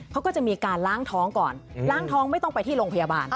เขาก็จะมีการล้างท้องก่อนล้างท้องไม่ต้องไปที่โรงพยาบาล